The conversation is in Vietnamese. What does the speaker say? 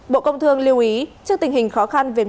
bộ công thương lưu ý trước tình hình khó khăn về nguồn cung